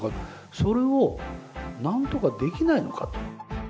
それをなんとかできないのかと。